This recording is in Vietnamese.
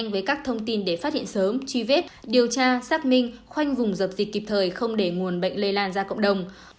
bệnh sớm truy vết điều tra xác minh khoanh vùng dập dịch kịp thời không để nguồn bệnh lây lan ra cộng đồng